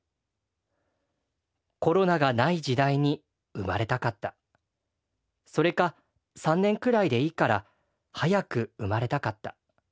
「コロナが無い時代に生まれたかったそれか３年くらいでいいから早く生まれたかった。